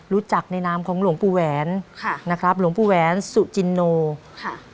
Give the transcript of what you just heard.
รู้จักในนามของหลวงปู่แหวนค่ะนะครับหลวงปู่แหวนสุจินโนค่ะ